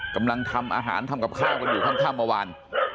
กำลังทำอาหารทำกับข้าวกันอยู่ค่ำเมื่อวาน